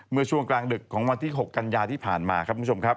เมื่อช่วงกลางดึกของวันที่๖กันยาที่ผ่านมาครับคุณผู้ชมครับ